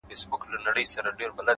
زحمت د هیلو ریښې پیاوړې کوي،